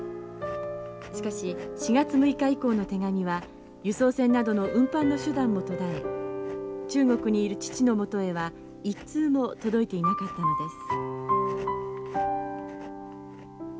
しかし４月６日以降の手紙は輸送船などの運搬の手段も途絶え中国にいる父のもとへは一通も届いていなかったのです。